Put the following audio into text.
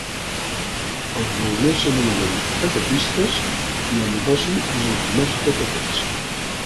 Els mariners s'anomenen paquetistes, i el negoci és el comerç de paquets.